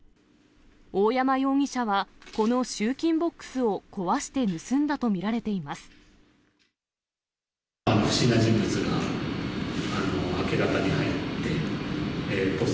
大山容疑者はこの集金ボックスを壊して盗んだと見られています。